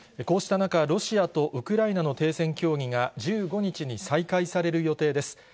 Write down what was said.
こうした中、ロシアとウクライナの停戦協議が、１５日に再開される予定です。